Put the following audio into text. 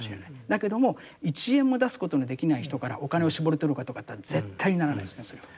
だけども１円も出すことのできない人からお金を搾り取るかとかって絶対にならないですねそれは。